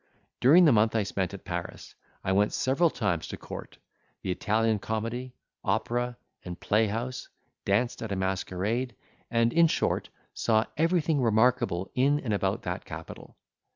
During the month I spent at Paris, I went several times to court, the Italian comedy, opera, and playhouse, danced at a masquerade, and, in short, saw everything remarkable in and about that capital.